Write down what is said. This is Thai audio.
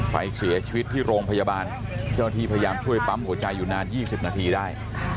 ไปเสียชีวิตที่โรงพยาบาลเจ้าหน้าที่พยายามช่วยปั๊มหัวใจอยู่นาน๒๐นาทีได้